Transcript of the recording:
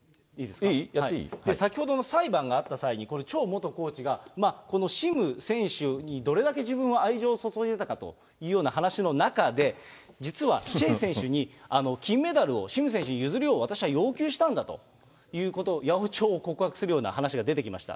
先ほどの裁判があった際に、これ、チョ元コーチが、このシム選手にどれだけ自分は愛情を注いでたかというような話の中で、実は、チェ選手に金メダルをシム選手に譲るよう私は要求したんだということを、八百長を告白するような話が出てきました。